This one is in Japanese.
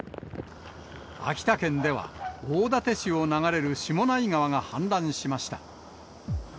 秋田県では、大館市を流れる下内川が氾濫しました。